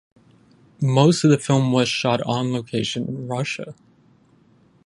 Most of the film was shot on location in Russia.